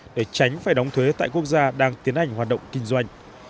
để tránh phải đóng thuế tại quốc gia đang tiến hành hoạt động kinh doanh